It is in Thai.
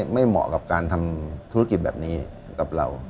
เหมาะกับการทำธุรกิจแบบนี้กับเรา